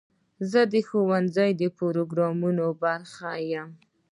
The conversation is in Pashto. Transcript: زه د ښوونځي د پروګرامونو برخه یم.